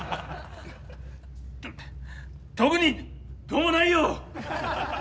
特にどうもないよ！